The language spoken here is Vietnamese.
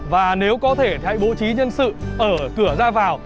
và nếu có thể hãy bố trí nhân sự ở cửa ra vào